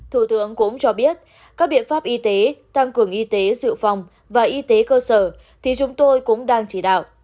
thủ tướng cũng cho biết các biện pháp y tế tăng cường y tế dự phòng và y tế cơ sở thì chúng tôi cũng đang chỉ đạo